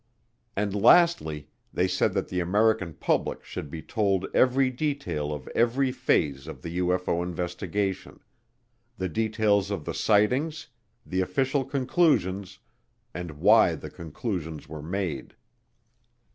And lastly, they said that the American public should be told every detail of every phase of the UFO investigation the details of the sightings, the official conclusions, and why the conclusions were made.